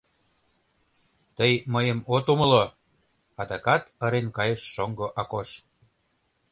— Тый мыйым от умыло! — адакат ырен кайыш шоҥго Акош.